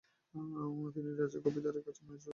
তিনি রাজা গোপীচাঁদের মায়ের চরিত্রে অভিনয় করেছিলেন।